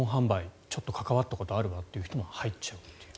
ちょっと関わったことあるわという人も入っちゃう。